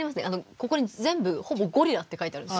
ここに全部ほぼ「ゴリラ」って書いてあるんです。